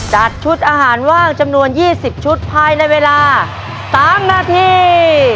จัดชุดอาหารว่างจำนวน๒๐ชุดภายในเวลา๓นาที